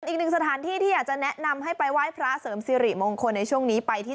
อีกหนึ่งสถานที่ที่อยากจะแนะนำให้ไปไหว้พระเสริมสิริมงคลในช่วงนี้ไปที่